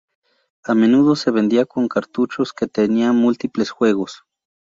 A menudo se vendía con cartuchos que contenían múltiples juegos.